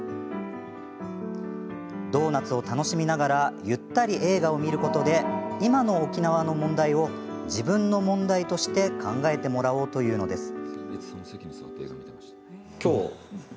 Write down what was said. ドーナツを楽しみながらゆったり映画を見ることで今の沖縄の問題を自分の問題として考えてもらおうというのです。